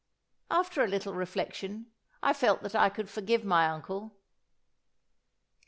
After a little reflection, I felt that I could forgive my uncle.